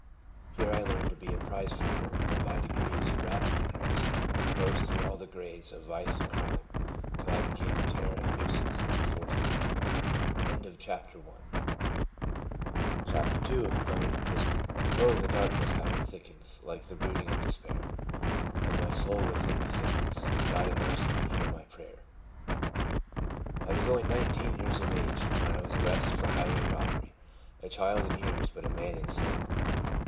Here I 10 TRANSFORMED. learned to be a prize fighter, and by degrees, rapid degrees, rose through all the grades of vice and crime, till I became a terror and nuisance in the Fourth ward. GOING TO PRISON. u CHAPTER II. GOING TO PRISON. " Oh, the darkness, how it thickens, Like the brooding of despair ! And my soul within me sickens God, in mercy, hear my prayer !" I WAS only nineteen years of age when I was arrested for highway robbery a child in years, but a man in sin.